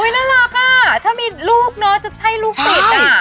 อุ้ยน่ารักอ่ะถ้ามีลูกเนอะจะไทยลูกติดอ่ะ